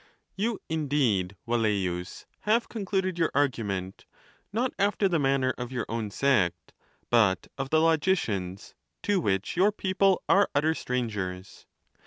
XXXII. You indeed, Velleius, have concluded youv ar gument, not after the manner of your own sect, but of the logicians, to which your people are utter strangers.